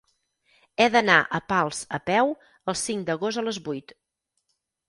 He d'anar a Pals a peu el cinc d'agost a les vuit.